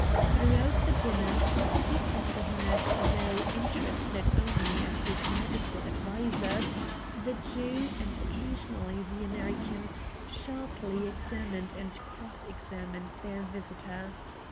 Throughout the dinner, speaking to him as though, interested only as his medical advisers, the Jew, and occasionally the American, sharply examined and cross examined their visitor.